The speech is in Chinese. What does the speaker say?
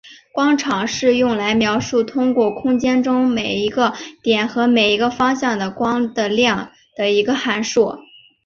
光场是用来描述通过空间中每一个点和每一个方向的光的量的一个函数。